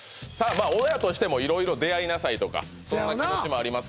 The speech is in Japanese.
まあ親としても色々出会いなさいとかそんな気持ちもあります